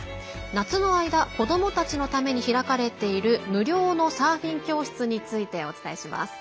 夏の間、子どもたちのために開かれている無料のサーフィン教室についてお伝えします。